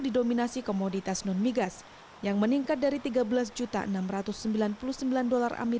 didominasi komoditas non migas yang meningkat dari tiga belas enam ratus sembilan puluh sembilan